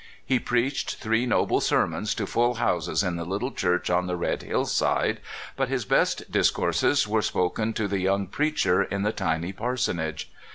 He preached three noble sermons to full houses in the little church on the red hillside, but his best discourses were spo ken to the young preacher in the tiny parsonage.